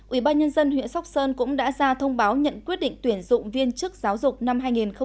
ủy ban nhân dân huyện sóc sơn cũng đã ra thông báo nhận quyết định tuyển dụng viên chức giáo dục năm hai nghìn một mươi chín